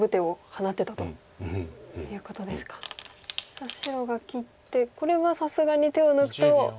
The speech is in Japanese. さあ白が切ってこれはさすがに手を抜くと。